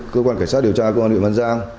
cơ quan cảnh sát điều tra công an huyện văn giang